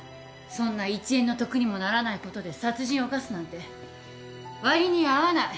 そんな１円の得にもならないことで殺人を犯すなんて割に合わない。